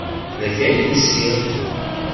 Fell-ak ay d-usiɣ.